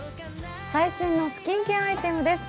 最新のスキンケアアイテムです。